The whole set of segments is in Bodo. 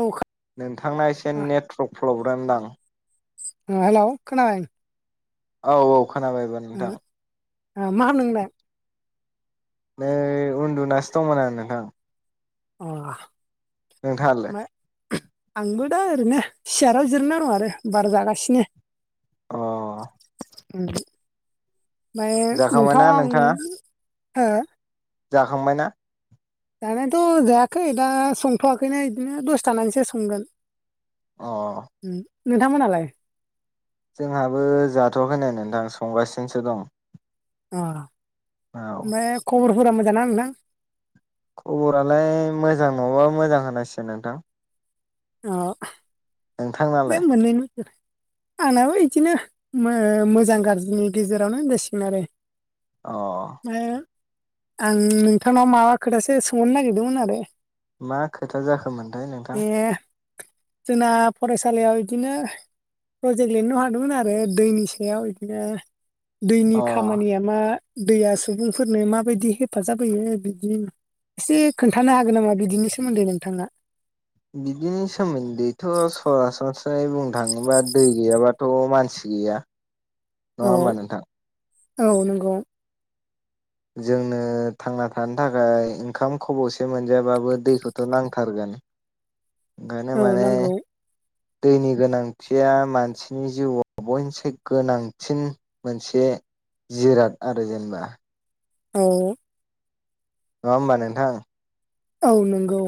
औ खो नोंथांना एसे नेटवर्क प्रब्लेम दां हेल' खोनाबाय औ-औ खोनाबाय एबार ओ मा होन नोंलाय नै उन्दुनासो दंमोन आरो नोंथां अ नोंथाङालाय ओम आंबो दा ओरैनो सियाराव जिरायना दं आरो बार जागासिनो अ ओमफ्राय नोंथाङा आं हो जाखांबायना जानायाथ' जायाखै दा संथ'वाखैनो बिदिनो दसथानानैसो संगोन अ उम नोंथांमोनालाय जोंहाबो जाथ'वाखै नाय नोंथां संगासिनोसो दं अ औ ओमफ्राय खबरफोरा मोजां ना नोंथां खबरालाय मोजां नङाबा मोजां होनांसिगोन नोंथां अ नोंथांनालाय [unintelligible] मोननै आंनाबो बिदिनो मोजां गाज्रिनि गेजेरावनो होनजासिगोन आरो अ ओमफ्राय आं नोंथांनाव माबा खोथासो सोंहरनो नागिरदोंमोन आरो मा खोथा जाखोमोनथाय नोंथां बे जोंना फरायसालियाव बिदिनो प्रजेक्ट लिरनो हरदोंमोन आरो दैनि सायाव बिदिनो दैनि अ खामानिया मा दैया सुबुंफोरनो माबायदि हेफाजाब होयो बिदि एसे खोन्थानो हागोन नामा बिदिनि सोमोन्दै नोंथाङा बिदिनि सोमोन्दैथ' सरासनस्रायै बुंनो थाङोबा दै गैयाबाथ' मानसि गैया नङा होमबा नोंथां औ-औ नंगौ जोंनो थांना थानो थाखाय ओंखाम खब'से मोनजायाबाबो दैखौथ' नांथारगोन ओंखायनो औ माने नांगौ दैनि गोनांथिया मानसिनि जिउआव बयनिसाय गोनांसिन मोनसे जिराद आरो जेनेबा औ नङा होमबा नोंथां औ नोंगौ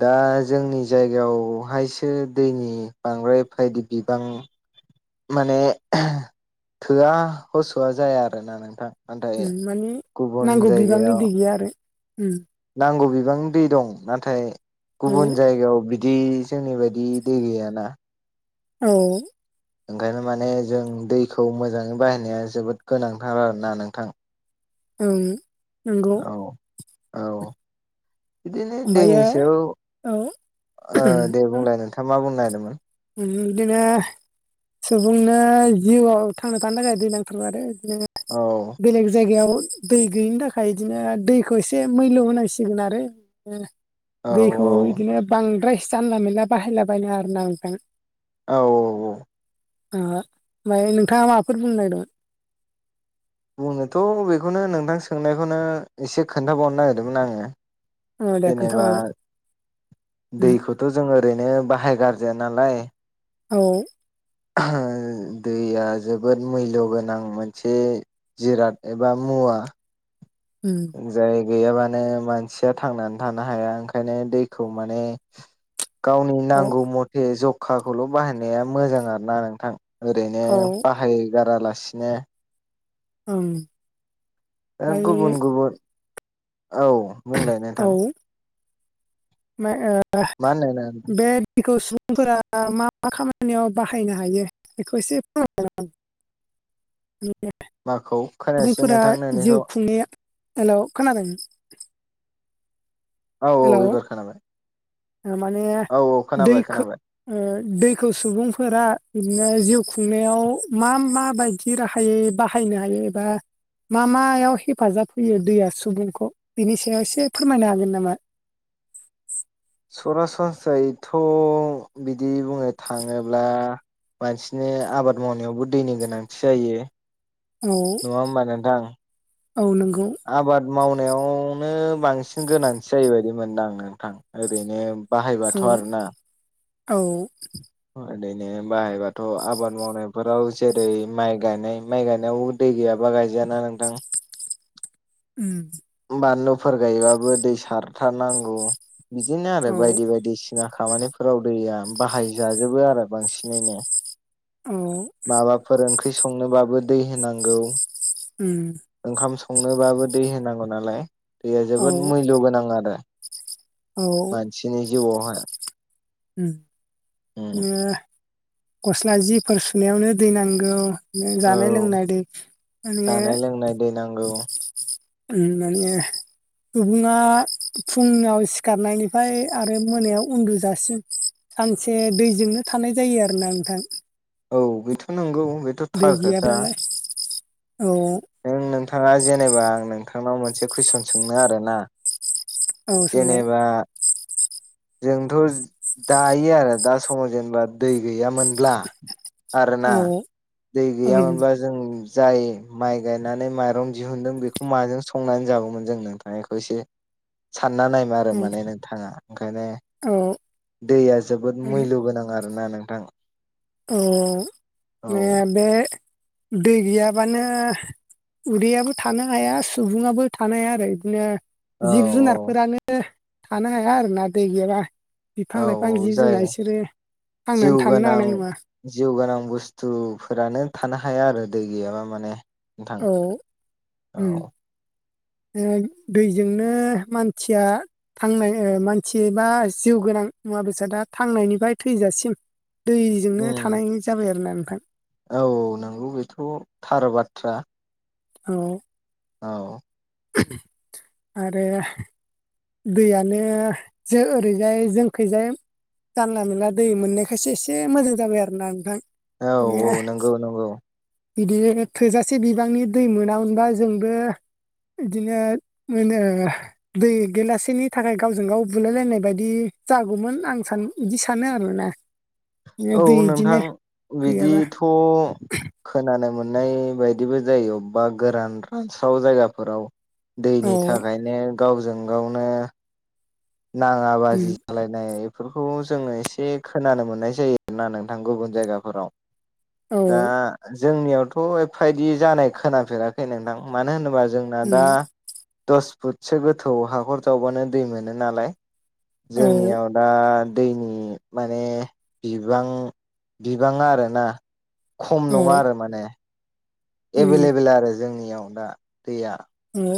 दा जोंनि जायगायावहायसो दैनि बांद्राय बायदि बिबां माने थोआ होस'आ जाया आरोना नोंथां नाथाय माने गुबुन नांगौ बिबांनि जायगायाव दै गैया ओम नांगौ बिबांनि दै दं नाथाय औ गुबुन जायगायाव बिदि जोंनि बायदि दै गैयाना औ ओंखायनो माने जों दैखौ मोजाङै बाहायनाया जोबोद गोनांथार आरोना नोंथां ओं नंगौ औ-औ बिदिनो दैनि ओमफ्रायो औ सायाव दे बुंलाय नोंथाङा मा बुंनो नागिरदोंमोन ओम बिदिनो सुबुंनो जिउआव थांना थानो थाखाय दै नांथारगौ आरो बिदिनो औ बेलेग जायगायाव दै गैयिनि थाखाय बिदिनो दैखौ एसे मैलु होनांसिगोन आरो ओ औ दैखौ बिदिनो बांद्राय जानला मोनला बाहायलाबायनो आरो ना नोंथां औ औ ओमफ्राय नोंथांङा माफोर बुंनायदोंं बुंनोथ' बेखौनो नोंथां सोंनायखौनो एसे खोन्थाबावनो नागिरदोंमोन आंङो औ दे जेनेबा खोन्थाहरलाय उम दैखौ थ' जों ओरैनो बाहाय गारजाया नालाय औ [unintelligible] दैया जोबोद मुल्य गोनां मोनसे जिराद एबा मुवा उम जाय गैयाबानो मानसिया थांनानै थानो हाया ओंखायनो दैखौ माने गावनि औ नांगौ मथे जखाखौल' बाहायनाया मोजां आरोना नोंथां ओरैनो औ बाहायगारा लासिनो ओम दा गुबुन गुबुन औ बुंलाय नोंथां मा ओ मा होनदों नों बे दैखौ सुबुंफोरा मा मा खामानियाव बाहायनो हायो बेखौ एसे फोरमाय [unintelligible] [unintelligible] माखौ खोनायासै सुबुंफोरा नोंथां जिउ नोंनिखौ खुंनायलायाव हेलौ खोनादों औ-औ हेल' एबार खोनाबाय माने औ औ खोनाबाय दैखो खोनाबाय दैखौ सुबुंफोरा बिदिनो जिउ खुंनायाव मा मा बायदि जि राहायै बाहायनो हायो एबा मा मायाव हेफाजाब होयो दैया सुबुंखौ बेनि सायाव एसे फोरमायनो हागोन नामा सरासनस्रायैथ' बिदि बुंनो थांङोब्ला मानसिनि आबाद मावनायावबो दैनि गोनांथि जायो औ नंङा होमबा नोंथां औ नोंगौ आबाद मावनायावनो बांसिन गोनांथि जायो बायदि मोनदां नोंथां ओरैनो बाहायबाथ' आरो ना औ ओरैनो बाहायबाथ' आबाद मावनायफोराव जेरै माइ गायनाय माइ गायनायाव दै गैयाबा गायजायाना नोंथां उम बानलुफोर गायबाबो दै सारथारनांगौ बिदिनो आरो औ बायदि बायदि सिना खामानिफोराव दैया बाहाय जाजोबो आरो बांसिनैनो औ माबाफोर ओंख्रि संनोबाबो दै होनांगौ उम ओंखाम संनोबाबो दै होनांगौ नालाय दैया औ जोबोद मुल्य गोनां आरो औ मानसिनि जिउआवहाय उम बि गस्ला जिफोर सुनायावनो दै नांगौ औ जानाय लोंनाय दै माने जानाय लोंनाय दै नांगौ [inaudible] उम माने सुबुङा फुुङाव सिखार नायनिफ्राय आरो मोनायाव उन्दुजासिम सानसे दैजोंनो थानाय जायो आरोना नोंथां। औ बेथ' नोंगौ बे दै गैया नालाय औ। ओं नोंथाङा जेनेबा आं नोंथांनाव मोनसे कुइसन सोंनो आरोना। [inaudible] जेनेबा जोंथ' दायो आरो दा समाव जेनेबा दै गैयामोनब्ला आरोना औ दै ओं गैयामोनबा जों जाय माइ गायनानै माइरं दिहुनदों बेखौ माजों संनानै जागौमोन जों नोंथां इखौ एसे सानना नायबा आरो ओं माने नोंथाङा ओंखायनो औ दैया जोबोद मैल' गोनां आरो ना नोंथां। औ औ मे बे दै गैयाबानो उदैयाबो थानो हाया सुबुङाबो थानो हाया आरो इदिनो औ जिब औ जुनारफोरानो थानो हाया आरोना दै गैयाबा। औ बिफां लाइफां औ जिब जाय जुनार इसोरो जिउ थांनानै थानो गोनां हानाय नङा। जिउ गोनां बुस्थुफोरानो थानो हाया आरो दै गैयाबा माने। नोंथां औ उम। औ ओ दैजोंनो मानथिया थांनाय ओ मानसि बा जिउ गोनां मुवा बेसादा थांनायनिफाय थैजासिम दैजोंनो उम थानाय जाबाय आरोना ओमफाय। औ नोंगौ बेथ' थार बाथ्रा। औ। औ। आरो दैयानो जो ओरैजाय जोंखैजाय जानला मोनला दै मोननायखायसो एसे मोजां जाबाय आरोना नोंथां। औ औ माने नोंगौ नंगौ। बिदि थोजासे बिबांनि दै मोनामोनबा जोंबो इदिनो मोन ओ दै गेलासेनि थाखाय गावजों गाव बुलायलायनाय बायदि जागौमोन आं सान इदि सानो आरोना। औ दै बिदिनो नोंथां गैयाबा बिदिथ' खोनानो मोननाय बायदिबो जायो अबबा गोरान रानस्राव जायगाफोराव औ दैनि थाखायनो गावजों गावनो नाङा उम बाजि नांलायनाय बेफोरखौ जोङो एसे खोनानो मोननाय जायो आरोना नोंथां गुबुन जायगाफोराव। औ दा जोंनियावथ' एफा इदि जानाय खोनाफेराखै नोंथां। मानो होनोबा जोंना दा उम दस फुटसो गोथौ हाखर जावबानो दै मोन नो नालाय औ जोंनियाव दा दैनि माने बिबां बिबाङा आरोना खम औ नङा आरो माने। एभे उम लेबेल आरो जोंनियाव दा दैया। ओ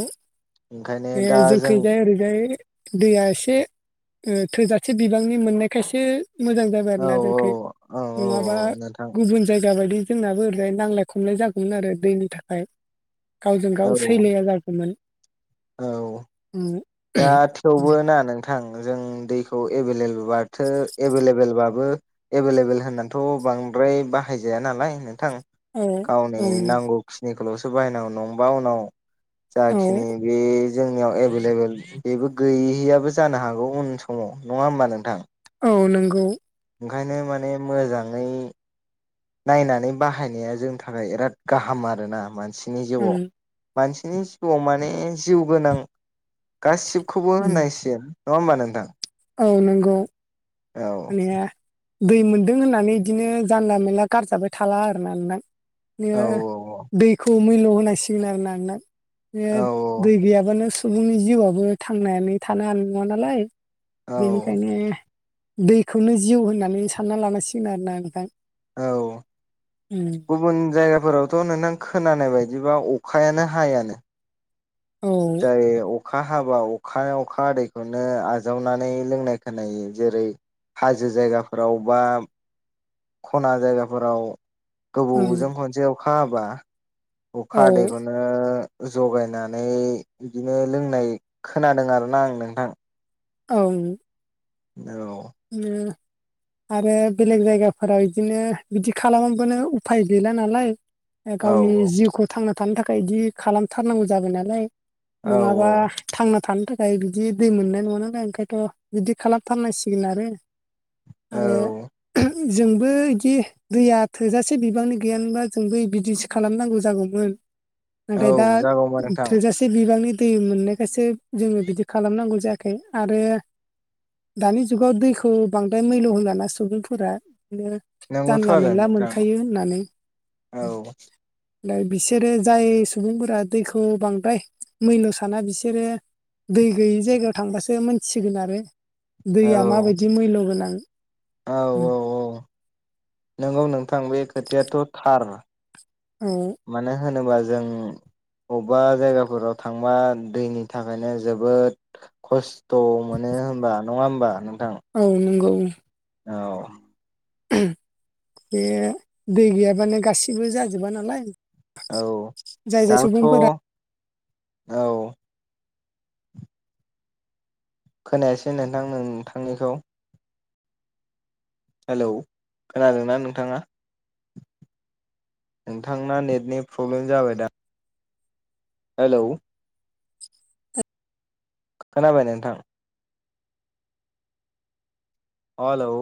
ओंखायनो ए दा जों जोंखैजाय ओरै फाय दैया एसे ओ थोजासे बिबांनि मोननायखायसो मोजां जा दों औ आरो जोंखै औ औ नङाबा नोंथां गुबुन जायगा बायदि जोंनाबो ओरैजाय नांज्लाय खमलाय जागौमोन आरो दैनि थाखाय गावजों गाव औ सैलाया जागौमोन। औ। उम दा थेवबो ना नों थां जों दैखौ एबेलेल बाथो एभेले बेलबाबो एभेल लेबेल होननानैथ' बांद्राय बाहायजाया नालाय नोंथां औ गावनि ओं नांगौखिनिखौल'सो बाहायनांगौ नङाबा उनाव औ जाखिनि बे जोंनियाव एभेल लेबेल बेबो गैहैयाबो जानो हागौ उन समाव नङा होमबा नोंथां औ नोंगौ ओंखायनो माने मोजाङै नायनानै बाहायनाया जोंनि थाखाय बिराद गाहाम आरोना मानसिनि उम जिउआव मानसिनि जिउआव माने जिउ गोनां गासिबखौबो उम होननायसिन नङा होबमा नोंथां औ नंगौ औ माने दै मोनदों होननानै बिदिनो जानला मोनानला गारजाबाय थाला आरो ना नोंथां औ बिदिनो दैखौ मैल्य होनांसिगोन आरो ना नों बे औ दै गैयाबानो सुबुंनि जिउआबो थांनानै थानो हानाय नङा नालाय औ बेनिखायनो दैखौनो जिउ होननानै सानना लानांसिगोन आरोना नोंथां औ उम गुबुन जायगाफोरावथ' नोंथां खोनानाय बायदिबा अखायानो हायानो औ अखा हाबा अखा अखा आदैखौनो आजावनानै लोंनाय खोनायो जेरै हाजो जायगाफोराव बा खना जायगाफोराव ओं गोबावजों खनसे अखा हाबा औ अखा हादैखौनो ओ जगायनानै इदिनो लोंनाय खोनादों आरोना आं नोंथां औ औ नो आरो बेलेग जायगाफोराव बिदिनो बिदि खालामबानो उफाय गैला नालाय औ गावनि जिउखौ थांना थानो थाखाय बिदि खालामथारनांगौ जाबाय नालाय औ नङाबा थांना थानो थाखाय बिदि दै मोननाय नङा नालाय ओंखायथ' बिदि खालामथारनांसि गोन आरो आरो औ जोंबो बिदि दैया थोजासे बिबांनि गैयानोबा जों बै बिदिसो खालामनांगौ जागौमोन नाथाय दा औ जागौमोन नोंथां थोजासे बिबांनि दै मोननायखायसो जोङो बिदि खालामनांगौ जा खाय आरो दानि जुगाव दैखौ बांद्राय मैल' होोलाना सुबुंफोरा बिदिनो नंगौथ' जानला आरो मेनला नोंथां मोनखायो होननानै औ औ दय बिसोरो जाय सुबुंफोरा दैखौ बांद्राय मैल' साना बिसोरो दै गैयि जायगायाव थांबासो मोनथिगोन आरो दैया माबायदि मैल्ल गोनां औ-औ-औ नंगौ नोंथां बे खोथायाथ' थार औ मानो होनोबा जों बबेबा जायगाफोराव थांबा दैनि थाखायनो जोबोद खस्थ' मोनो होमबा नङा होमबा नोंथां औ नंगौ औ बे दै गैयाबानो गासिबो जाजोबा नालाय औ जाय जाय दथ' सुबुंफोरा औ खोनायासै नोंथां नोंथांनिखौ हेलौ खोनादोंना नोंथाङा नोंथांना नेटनि प्रब्लेम जाबाय दां हेलौ खोनाबाय नोंथां अलौ